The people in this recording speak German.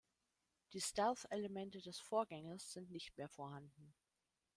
Die Stealth-Elemente des Vorgängers sind nicht mehr vorhanden.